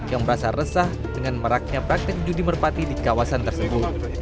yang merasa resah dengan maraknya praktik judi merpati di kawasan tersebut